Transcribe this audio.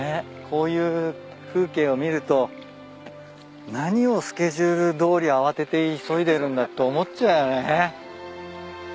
こういう風景を見ると何をスケジュールどおり慌てて急いでるんだと思っちゃうよね。